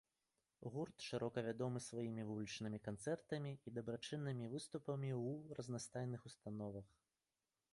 Гурт шырока вядомы сваімі вулічнымі канцэртамі і дабрачыннымі выступамі ў разнастайных установах.